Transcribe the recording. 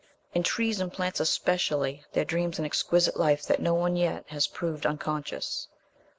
"In trees and plants especially, there dreams an exquisite life that no one yet has proved unconscious."